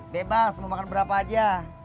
bebas mau makan berapa aja